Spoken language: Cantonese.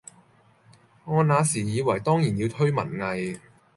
我那時以爲當然要推文藝，